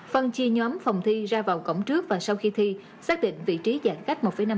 phân chia nhóm phòng thi ra vào cổng trước và sau khi thi xác định vị trí giãn cách một năm